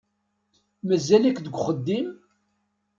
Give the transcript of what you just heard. Mazal-ik deg uxeddim?